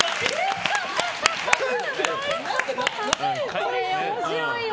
これ面白いわ。